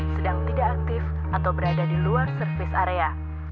sedang tidak aktif atau berada di luar service area